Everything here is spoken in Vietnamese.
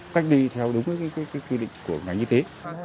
cách ly theo đúng quy định của ngành y tế